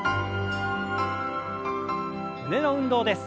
胸の運動です。